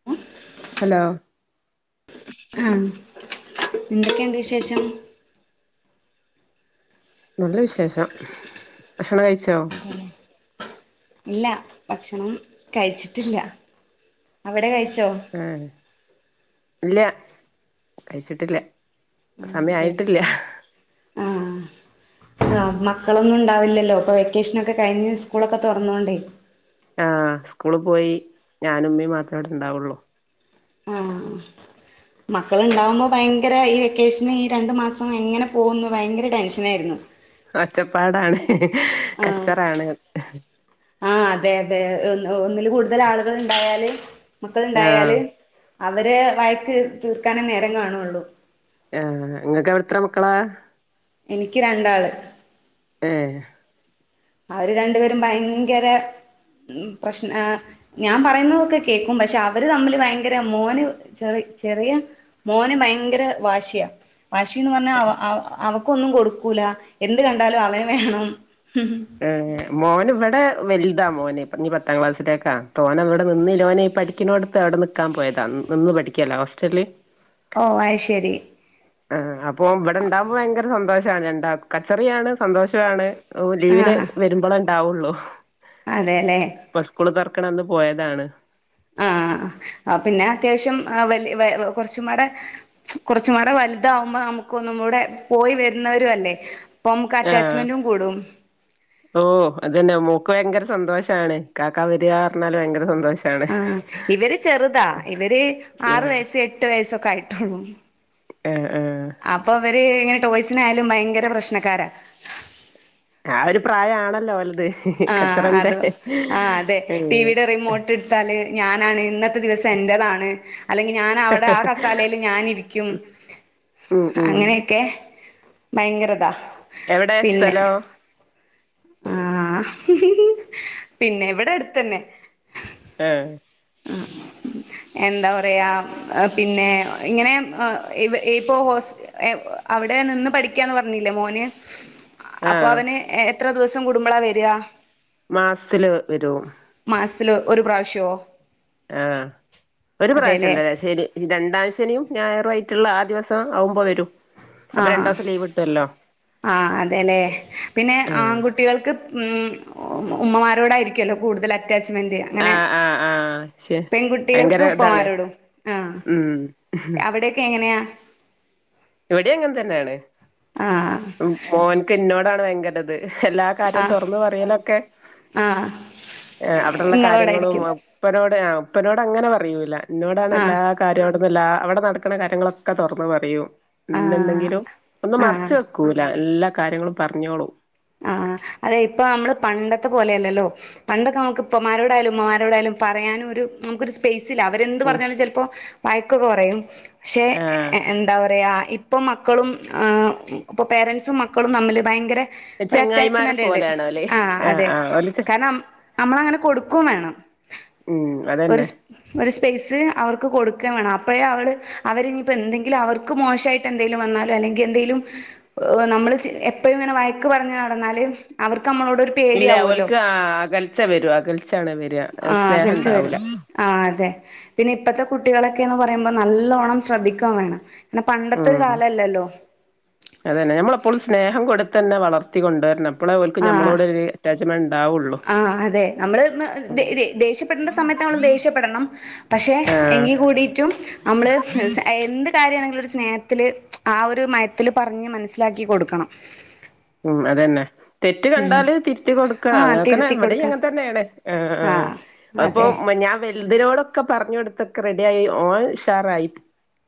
[inaudible] Hello ആഹ് എന്തൊക്കെയുണ്ട് വിശേഷം നല്ല വിശേഷം ഭക്ഷണം കഴിച്ചോ ഇല്ല ഭക്ഷണം കഴിച്ചിട്ടില്ല അവിടെ കഴിച്ചോ ആഹ് ഇല്ല കഴിച്ചിട്ടില്ല ആഹ് സമയം അതെല്ലേ ആയട്ടില്ല ആഹ് ആഹ് മക്കളൊന്നും ഉണ്ടാവില്ലല്ലോ ഇപ്പൊ വെക്കേഷനൊക്കെ കഴിഞ്ഞ് സ്കൂളൊക്കെ തുറന്നോണ്ടേ ആഹ് സ്കൂള് പോയി ഞാനും ഉമ്മേയും മാത്രേ ഇവിടെണ്ടാവുള്ളൂ ആഹ് മക്കളുണ്ടാവുമ്പോ ഭയങ്കര ഈ വെക്കേഷന് ഈ രണ്ട്മാസം എങ്ങനെ പോവുന്ന് ഭയങ്കര ടെൻഷനായിരുന്നു ഒച്ചപ്പാടാണ് ആഹ് കച്ചറാണ് ആഹ് അതെ അതെ ഒന്നില് കൂടുതൽ ആളുകൾ ഉണ്ടായാല് മക്കള് ആഹ് ഉണ്ടായാല് അവരെ വഴക്ക് തീർക്കാനേ നേരം കാണുള്ളൂ ആഹ് നിങ്ങക്ക് അവിടെ എത്ര മക്കളാ എനിക്ക് രണ്ടാള് ഏഹ് അവര് രണ്ടുപേരും ഭയങ്കര പ്രശ്ന ഞാൻ പറയുന്നതൊക്കെ കേക്കും പക്ഷെ അവര് തമ്മില് ഭയങ്കര മോന് ചെറി ചെറിയ മോന് ഭയങ്കര വാശിയ വാശീന്ന് പറഞ്ഞാ അവ അവക്കൊന്നും കൊടുക്കൂല എന്ത് കണ്ടാലും അവന് വേണം [unintelligible] മോന്ഇവിടെ വലുതാ മോന്ഇഞ്പത്താം ക്ലാസ്സിലേക്കാ തോന ഇവിടെ നിന്നില്ല ഓന്ഈ പഠിക്കുന്നോടുത്ത് അവിടെ നി ക്കാൻ പോയതാ നിന്ന് പഠിക്കുകല്ലോ ഹോസ്റ്റലിൽ ഓ അഹ്ശരി ആഹ്അപ്പൊ ഇവിടെണ്ടാവകുമ്പോ ഭയങ്കര സന്തോഷാണ് രണ്ടാക്കുകച്ചറിയാണ് സന്തോഷാണ് ഓ ലീവിന് വരുമ്പോളാഇണ്ടാവുള്ളു അതേല്ലെ ഇപ്പ സ്കൂള് തുറക്കണംന്ന് പോയതാണ്. ആഹ് ആ പിന്നെ അത്യാവശ്യം അ വല്ല്യ കൊച്ചുമ്മാടെ കൊറച്ചുംകൂടെ വലുതാവ്മ്പോ നമുക്കൊന്നും കൂടെ പോയി വരുന്നവര അല്ലേ അപ്പൊ അറ്റാച്ച്മെൻറും കൂടും ഓ തന്നെ മോക്ക് ഭയങ്കര സന്തോഷാണ് കാക്ക വര് പറഞ്ഞാല് ഭയങ്കര സന്തോഷം ആഹ് ഇവര് ചെറുതാ ഇവര് ആറ് ഏഹ് വയസ്സ് എട്ട് വയസ്സക്കെ ആയിട്ടുള്ളു. ആഹ് ആഹ് അപ്പൊ ഇവര്ങ്ങനെ ടോയ്സിനയാലും ഭയങ്കര പ്രശ്നക്കാരാ ആ ഒര് പ്രായാണല്ലോ ഒലത് ആഹ് അതോ ആഹ് അതെ ഏഹ് ടിവിയുടെ റിമോ ട്ടെടുത്താല് ഞാനാണ് ഇന്നത്തെ ദിവസം എന്റതാണ് അല്ലെങ്കിൽ ഞനാവിടെ ആ കസാലൽ ഞാനിരിക്കും ഉം ഉം അങ്ങനെയൊക്കെ ഭയങ്കരതാ എവിടടെ പിന്നെ സ്ഥലോ ആഹ് പിന്നെവ്ടടുത്തന്നെ ഏഹ് എന്താ പറയാ ഏഹ് പിന്നെ ഇങ്ങനെ ഇപ്പോ ഹോസ് അവിടെ നിന്ന് പഠിക്കാന്ന് പറഞ്ഞില്ലേ മോന് ആഹ് അപ്പൊവന് എത്ര ദിവസം കൂടുമ്പളാ വര്യ മാസത്തില് വരും മാസത്തില് ഒരു പ്രാവശ്യോ ആഹ് ഒരു അതെല്ലേ പ്രാവശ്യംല്ല ശരി രണ്ടാം ശനീം ഞായറു ആയിട്ടുള്ള ആ ദിവസം ആവുമ്പോ വരും അപ്പൊ ആഹ് രണ്ട്വസം ലീവ് കിട്ടുവല്ലോ ആഹ് അതെല്ലേ പിന്നെ ആഹ് ആൺകുട്ടികൾക്ക് ഉ ഉമ്മമാരോടായിരിക്കുല്ലോ കൂടുതൽ അറ്റാച്ച്മെന്റ് അങ്ങനെ ആഹ് ആഹ് ആഹ് ശെ പെൺകുട്ടികൾക്ക് ഭയങ്കര ഇതാണ് ഉപ്പമാരോടും ആഹ് ഉം അവിടൊക്കെ എങ്ങനെയാ? ഇവിടേംങ്ങനെ തന്നെയാണ് ആഹ് ആ മോൻക്കിന്നോടാണ് ഭയങ്കരിത് എല്ലാ കാര്യോ ആഹ് തൊറന്ന് പറയലൊക്കെ ആഹ് അവിട്ള്ള കാര്യങ്ങളും നിങ്ങളോടായിരിക്കും ഉപ്പനോട് ആ ഉപ്പനോട്ങ്ങനെ പറയൂല്ല എനന്നോടാണ് എല്ലാ ആഹ് കാര്യം അവിടന്നില്ല അവിട നടക്ക്ന്ന കാര്യങ്ങളൊക്കെ തൊറന്ന് പറയും ആഹ് എന്തുണ്ടെങ്കിലും ഒന്നും മറച്ച് ആഹ് വെക്കൂല എല്ലാ കാര്യങ്ങളും പറഞ്ഞോളൂ ആഹ് അതെ ഇപ്പമ്മള് പണ്ടത്തെ പോലെയല്ലല്ലോ പണ്ടൊക്കെ നമുക്ക് ഇപ്പമാരോടായാലും ഉമ്മമാരോട ആയാലും പറയാനൊരു നമുക്കൊരു സ്പേസില അവരെന്ത് ഉം പറഞ്ഞാലും ചിലപ്പോ വയക്കൊക്കെ പറയും ആഹ് പക്ഷെന്താ പറയാ ഇപ്പം മക്കളും ആഹ് പേരൻസും മക്കളും തമ്മിൽ ഭയങ്കര ഒരു ചെങ്ങായിമാരെ അറ്റാച്ച്മെന്റ് ണ്ട് പോലെയാണോ ലെ ആഹ് അതെ ആഹ് ഓല് ചെ കാരണം നമ്മ നമ്മളങ്ങനെ കൊടുക്കയും വേണം. ഉം ഒര് അതന്നെ സ് ഒര് സ്പെയ്സ് അവർക്ക് കൊടുക്കേം വേണം അപ്പഴാ അവള് അവരെനിയിപ്പോ എന്തെങ്കിലും അവർക്ക് മോശായിട്ട് എന്തെലും വന്നാലോ അല്ലെങ്കി എന്തേലും നമ്മള് എപ്പഴും ഇങ്ങനെ വയക്ക് പറഞ്ഞ് നടന്നാല് അവർക്ക് നമ്മളോട് ഇല്ല പേടിയാവുമല്ലോ ഓൽക്ക് ആ അകൽച്ച വെരും അകൽച്ചാണെവെര സ്നേഹം ണ്ടാവൂല ആഹ് അതെ പിന്നെ ഇപ്പത്തെ കുട്ടികളൊക്കെന്ന് പറയുമ്പോ നല്ലോണം ശ്രദ്ധിക്ക്യേം വേണം പിന്നെ പണ്ടത്തെ കാലല്ലല്ലോ അതെന്നെ നമ്മളെപ്പോളും സ്നേഹം കൊട്ത്തെന്നെ വളർത്തി കൊണ്ടോര്ണം ആഹ് ആഹ് അതെ നമ്മള് ദേ ഉം ദേ ദേശ്യം പ്പെടണ്ട സമയത്ത് നമ്മള് ദോശ്യപ്പെടണം പക്ഷെ ആഹ് എങ്കികൂടിറ്റും നമ്മള് സ എന്ത് കാര്യാണെങ്കിലും ഒരു സ്നേഹത്തില് ആ ഒരു മയത്തില് പറഞ്ഞ് മനസ്സിലാക്കി കൊടുക്കണം ഉം അതെന്നെ തെറ്റ് ഉം കണ്ടാല് തിരുത്തി കൊട്ക്ക ആഹ് അങ്ങക്കനെ തിരുത്തി ഇവിടെ കൊടുക്കാം അങ്ങൻത്തെന്നെണ് ആഹ് ആഹ് അത്പ്പൊ അതെ ഞാൻ വെൽതിനോടൊക്കെ പർഞൊട്ത്തൊക്കെ റെഡിയായി ഓൻ ഉഷാറായി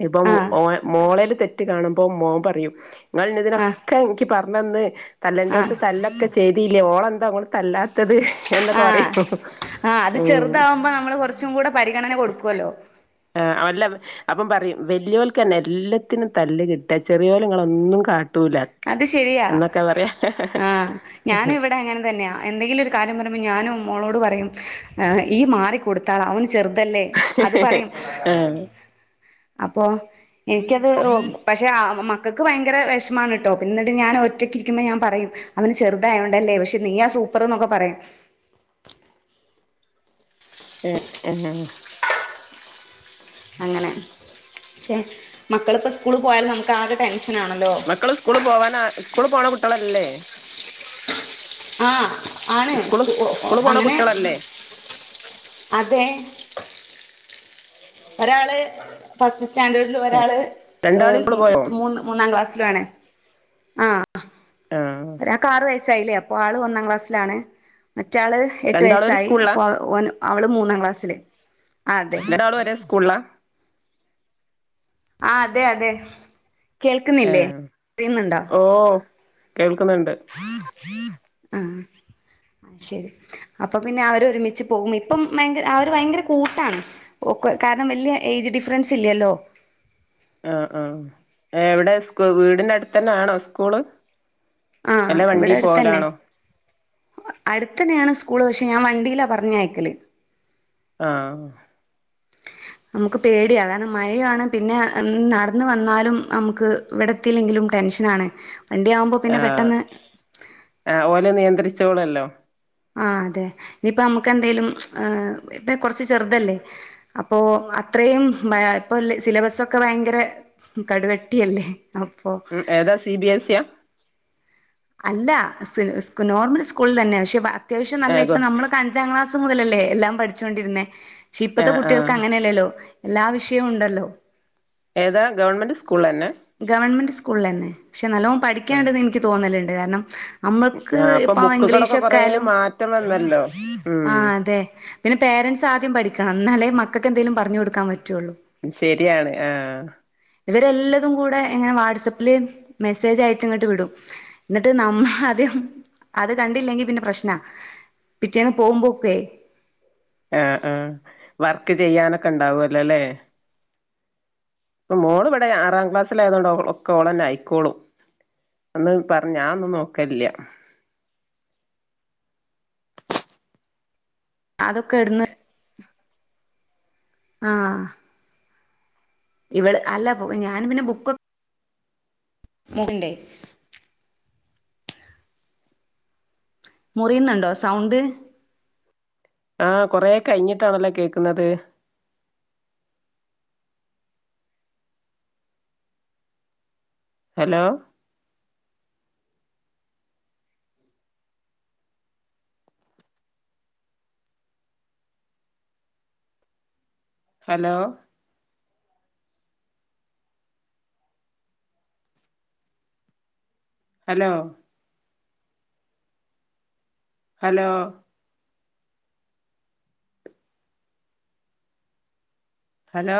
ഇപ്പം ആഹ് ഓ മോളേല് തെറ്റ് കാണുമ്പോ മോൻ പറയും ഇങ്ങള് ന്നെ ആഹ് ഇതിനൊക്കെ ഇൻക്ക് പർ മ്മന്ന് ആഹ് തല്ലൻഡിയോട്ത്ത് തല്ലൊക്കെ ചെയ്തില്ലേ ഓളെന്താ ഓളെ തല്ലാത്തത് എന്തൊക്കെ ആഹ് പറയും ആഹ് അത് ഉം ചെറുതാവുമ്പോ നമ്മള് കൊറച്ചും കൂടെ പരിഗണന [unintelligible] കൊടുക്കുവല്ലോ ആഹ് ഒല്ല [unintelligible] അപ്പം പറയും വെല്യോൽക്കെന്നെ എല്ലത്തിനും തല്ല് കിട്ടാ ചെറിയോലെങ്ങളൊന്നും കാട്ടൂല അത് ശെരിയാ എന്നൊക്കെ പറയാ ആ ഞാനിവടെ അങ്ങൻ തെന്നയാ എന്തെങ്കിലൊര് കാര്യം പറയുമ്പോ ഞാനും മോളോട് പറയും ഇയ്യ് മാറി കൊട്ത്താള അവന് ചെർതല്ലേ അത് പറയും ആഹ് അപ്പൊ എനിക്കത് ഓ പക്ഷെ ആ മക്കക്ക് ഭയങ്കര വെഷമാണ് ട്ടോ ഞാൻ ഒറ്റക്കിരിക്കുമ്പോ ഞാൻ പറയും അവന് ചെറുതായോണ്ടല്ലേ പക്ഷെ നീ ആ സൂപ്പറ് ന്നൊക്കെ പറയും ഏ [unintelligible] അങ്ങനെ പക്ഷെ മക്കള്പ്പം സ്കൂള് പോയാലും നമുക്ക് ആകെ ടെൻഷനാണല്ലോ മക്കള് സ്കൂള് പോവാനാ സ്കൂള് പോണ കുട്ട്യാളല്ലേ ആഹ് ആണ് സ്കൂള് സ്കൂള് പോണ അങ്ങനെ കുട്ടികളല്ലേ അതെ ഒരാള് ഫസ്റ്റ് സ്റ്റാൻഡേ ലും ഏഹ് ഒരാള് രണ്ടാള് സ്കൂള് പോയോ എ മൂന്ന് മൂന്നാം ക്ലാസ്സിലു ആണ് ആഹ് ഒരാക്കാറ് വയസ്സായില്ലേ അപ്പോ ആള് ഒന്നാം ക്ലാസ്സിലാണ് മറ്റാള് എട്ട് രണ്ടാളും ഒരു വയസ്സായി സ്കൂളിലാ അപ്പൊ ഓന് അവള് മൂന്നാം ക്ലാസ്സില് അതെ ണ്ടാളും ഒരേ സ്കൂൾ ളാ ആഹ് അതെ അതെ കേൾക്കുന്നില്ലേ ഏഹ് അറിയുന്നുണ്ടോ ഓ കേൾക്ക്ന്ന്ണ്ട് ആഹ് ശെരി അപ്പൊ പിന്നെ അവരൊരുമിച്ച് പോകും ഇപ്പം ഭയങ്ക അവര് ഭയങ്കര കൂട്ടാണ് ഒക്കെ കാരണം വെല്യ എയ്ജ് ഡിഫൻസ് ല്ലല്ലോ ആഹ് ആഹ് എവടെ സ്കൂ വീട്നട്ത്തെന്നാണോ സ്കൂള് ആഹ് അല്ലെ വണ്ടി ഇവടട്ത്തെന്നെ പോവലാണോ അട്ത്തെന്നെണ് സ്കൂള് പക്ഷെ ഞാൻ വണ്ടീലാ പർഞ്ഞയക്കല് ആഹ് നമുക്ക് പേടിയാ കാരണം മഴയാണ് പിന്നെ നടന്ന് വന്നാലും നമുക്ക് ഇവടെത്തില്ലെങ്കിലും ടെൻഷനാണ് വണ്ടിയാകുമ്പൊ പിന്നെ പെട്ടെന്ന് ആ ഓലെ നിയന്ത്രിച്ചോളല്ലോ ആ അതെ ഇനിപ്പ നമ്മുക്ക് എന്തേലും ഇപ്പ കൊറച്ച് ചെറുതല്ലേ അപ്പോ അത്രയും ഇപ്പൊ സിലബസ ക്കെ ഭയങ്കര കടുവട്ടിയല്ലേ ഉ ഏതാ സി ബി എസ് സിയ അല്ല നോർമൽ സ്കൂളിൽ തന്നെ പക്ഷെ അത്യാവശ്യം നല്ല ഏഹ് ഗോ ഇപ്പ നമ്മള അഞ്ചാം ക്ലാസ് മുതലല്ലേ എല്ലാം പഠിച്ചുകൊണ്ടിരുന്നേ പക്ഷെ ഇപ്പഴത്തെ ആഹ് കുട്ടികൾക്ക് ആഹ് അങ്ങനെയല്ലല്ലോ എല്ലാ വിഷയോണ്ടല്ലോ ഏതാ ഗവൺമെൻറ് സ്കൂളിലന്നെ ഗവൺമെന്റ് സ്കൂളിലന്നെ പക്ഷെ നല്ലോം ആഹ് പഠിക്കാണ്ടന്ന് എനിക്ക് തോന്നലുണ്ട് കാരണം അമ്മക്ക് ആഹ് അപ്പൊ ഇപ്പൊ ബുക്കുകളൊക്കെ കൊറേ ഇംഗ്ലീഷൊക്കായാലും മാറ്റം വന്നല്ലോ ആ ഉം അതെ പിന്നെ പേരൻറ്സ് ആദ്യം പഠിക്കണം എന്നാലേ മക്കൾക്ക് എന്തെങ്കലും പറഞ്ഞു കൊടുക്കാൻ പറ്റുവുള്ളൂ ശരിയാണ് ആഹ് ഇവരെല്ലതും കൂടെ എങ്ങനെ വാട്സആപ്പില് മെസ്സേജ് ആായിട്ട് ഇങ്ങോട്ട് വിടും ന്നിട്ട് നമ്മളാദ്യം അത് കണ്ടില്ലെങ്കി പിന്നെ പ്രശ്നാ പിറ്റേന്ന് പോകുമ്പോൾക്കെ ആഹ് ആഹ് വർക്ക് ചെയ്യാനൊക്കെ ഉണ്ടാവല്ലോല്ലേ പ്പം മോള് ഇവിടെ ആറാം ക്ലാസ്സിലായതുകൊണ്ട് ഒക്കെ ഒള്ളെന്നെ ആയിക്കോളൂ അന്ന് പറഞ് ഞാൻ ഒന്നും നോക്കലില്ല അതൊക്കെ എടുന്ന് ആഹ് ഇവള് അല്ല പൊ ഞാൻ പിന്നെ ബുക്കോ [unintelligible] മുറിയുന്നുണ്ടോ സൗണ്ട് ആഹ് കൊറെ കഴിഞ്ഞിട്ടാണല്ലോ കേൾക്കുന്നത് hello hello hello hello hello